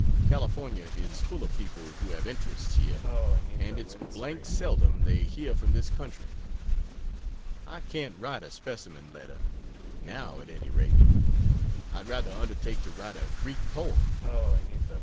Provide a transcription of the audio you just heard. California is full of people who have interests here, and it's d d seldom they hear from this country. I can't write a specimen letter now, at any rate I'd rather undertake to write a Greek poem.